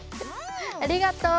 ありがとう！